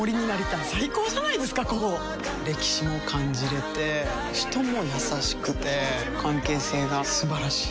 歴史も感じれて人も優しくて関係性が素晴らしい。